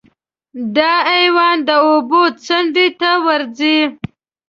دا حیوان د اوبو څنډې ته ورځي.